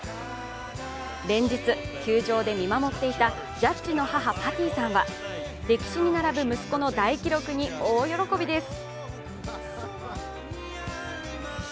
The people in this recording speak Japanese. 連日、球場で見守っていたジャッジの母・パティさんは歴史に並ぶ息子の大記録に大喜びです。